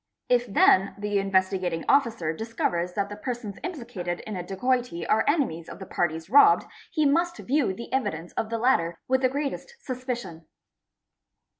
If then the Investigating Officer discovers that the. persons implicated in a dacoity are enemies of the parties robbed, he must view the evidence of these latter with the greatest suspicion.